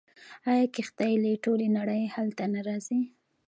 آیا کښتۍ له ټولې نړۍ هلته نه راځي؟